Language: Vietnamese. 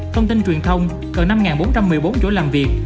thông tin truyền thông cần năm bốn trăm một mươi bốn chỗ làm việc